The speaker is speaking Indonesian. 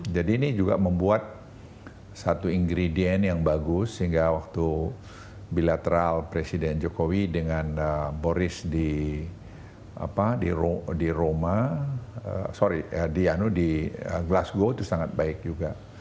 jadi ini juga membuat satu ingredient yang bagus sehingga waktu bilateral presiden jokowi dengan boris di roma sorry di glasgow itu sangat baik juga